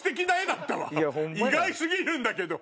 意外過ぎるんだけど。